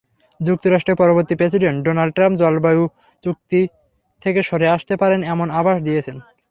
যুক্তরাষ্ট্রের পরবর্তী president Donald Trump জলবায়ু চুক্তি থেকে সরে আসতে পারেন—এমন আভাস দিয়েছেন।